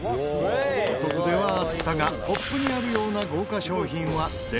お得ではあったがポップにあるような豪華賞品は出ず。